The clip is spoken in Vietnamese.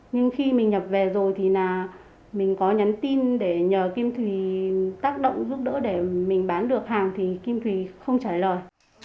nhưng khi mình nhập về rồi thì là mình có nhắn tin để nhờ kim thủy tác động giúp đỡ để mình bán được hàng thì kim thủy không trả lời